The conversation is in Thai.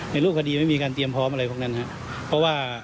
ในรูปคดีไม่มีการเตรียมพร้อมอะไรพวกนั้นนะครับ